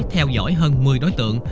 theo dõi hơn một mươi đối tượng